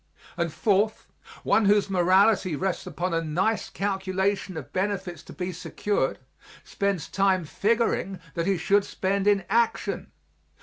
And, fourth, one whose morality rests upon a nice calculation of benefits to be secured spends time figuring that he should spend in action.